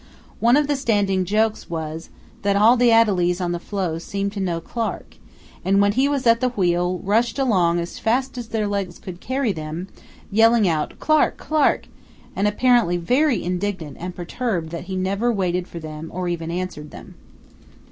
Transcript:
One of the standing jokes was that all the adelies on the floe seemed to know Clark, and when he was at the wheel rushed along as fast as their legs could carry them, yelling out "Clark! Clark!" and apparently very indignant and perturbed that he never waited for them or even answered them.